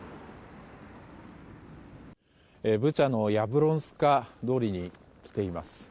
ブチャのヤブロンスカ通りに来ています。